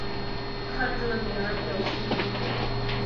看着女儿表情难过